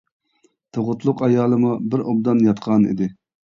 تۇغۇتلۇق ئايالىمۇ بىر ئوبدان ياتقان ئىدى.